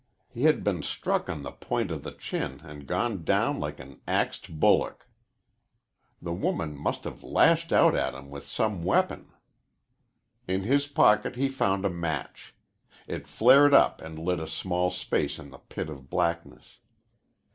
He had been struck on the point of the chin and gone down like an axed bullock. The woman must have lashed out at him with some weapon. In his pocket he found a match. It flared up and lit a small space in the pit of blackness.